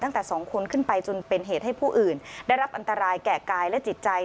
ตั้งแต่๒คนขึ้นไปจนเป็นเหตุให้ผู้อื่นได้รับอันตรายแก่กายและจิตใจ